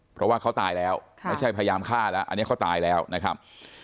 เพราะว่าเขาตายแล้วไม่ใช่พยายามฆ่าแล้วอันนี้เขาตายแล้วนะครับ